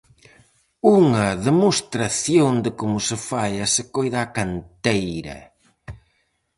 Unha demostración de como se fai e se coida a canteira.